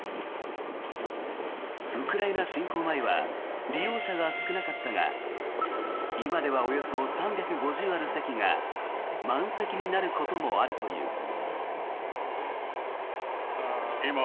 ウクライナ侵攻前は利用者が少なかったが今ではおよそ３５０ある席が満席になることもあるという。